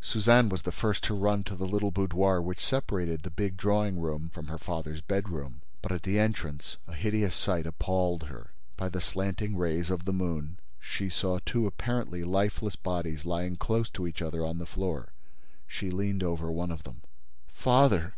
Suzanne was the first to run to the little boudoir which separated the big drawing room from her father's bedroom. But, at the entrance, a hideous sight appalled her. By the slanting rays of the moon, she saw two apparently lifeless bodies lying close to each other on the floor. She leaned over one of them: "Father!